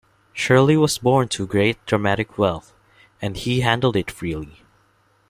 Shirley was born to great dramatic wealth, and he handled it freely.